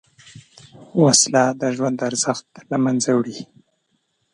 وسله د ژوند ارزښت له منځه وړي